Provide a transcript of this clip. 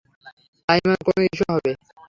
Timer কোনও issue হবে!